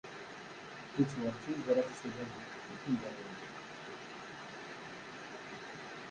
Bitt werǧin tt-ẓriɣ ula d timeẓriwt.